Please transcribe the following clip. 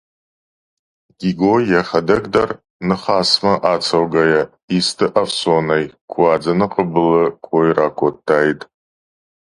Гиго йӕхӕдӕг дӕр, ныхасмӕ ацӕугӕйӕ, исты ӕфсонӕй куадзӕны хъыбылы кой ракодтаид.